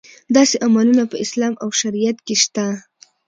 داسې عملونه په اسلام او شریعت کې شته.